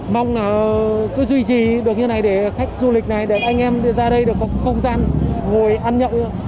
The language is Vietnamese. mong là cứ duy trì được như này để khách du lịch này được anh em ra đây được có không gian ngồi ăn nhậu